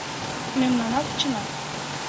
Мемнанат ачана